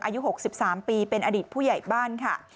อายุ๖๓ปีเป็นอดีตผู้ใหญ่บ้านค่ะ